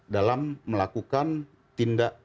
dalam melakukan tindak